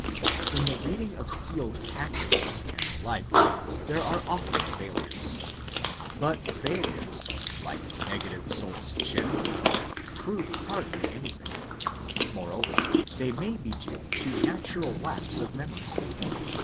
In the reading of sealed packets and the like, there are often failures. But failures like negative results generally prove hardly anything; moreover, they may be due to natural lapse of memory.